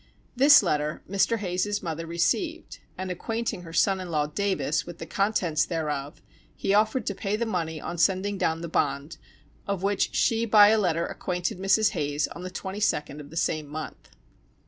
This letter Mr. Hayes's mother received, and acquainting her son in law Davis with the contents thereof, he offered to pay the money on sending down the bond, of which she by a letter acquainted Mrs. Hayes on the twenty second of the same month.